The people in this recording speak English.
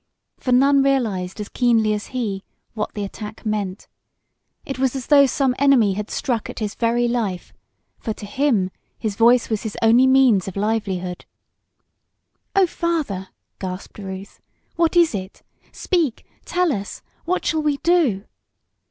For none realized as keenly as he what the attack meant. It was as though some enemy had struck at his very life, for to him his voice was his only means of livelihood. "Oh, Father!" gasped Ruth. "What is it? Speak! Tell us! What shall we do?"